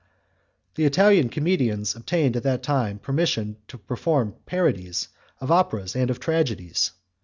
The Italian comedians obtained at that time permission to perform parodies of operas and of tragedies.